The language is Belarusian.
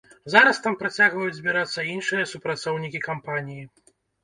Зараз там працягваюць збірацца іншыя супрацоўнікі кампаніі.